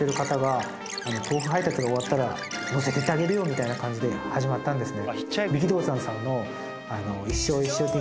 こういう感じで始まったんですね。